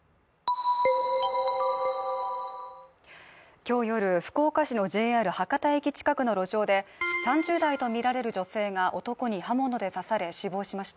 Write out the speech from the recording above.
今日夜、福岡市のＪＲ博多駅近くの路上で３０代とみられる女性が男に刃物で刺され死亡しました。